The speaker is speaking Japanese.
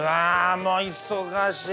もう忙しい。